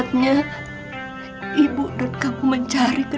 kamu bersambut minta sy heroes